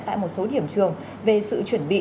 tại một số điểm trường về sự chuẩn bị